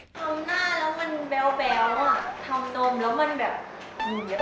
ทำหน้าแล้วมันแบ๊วอ่ะทำนมแล้วมันแบบ